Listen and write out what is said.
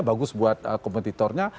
bagus buat kompetitornya